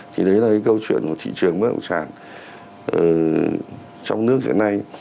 thì đấy là cái câu chuyện của thị trường bất động sản trong nước hiện nay